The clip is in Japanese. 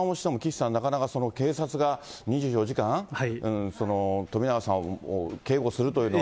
こういう相談をしても、岸さん、なかなか警察が２４時間、冨永さんを警護するというのは。